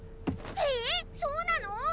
えそうなの！？